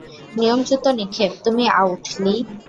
নিয়মচ্যুত নিক্ষেপ, তুমি out, Li.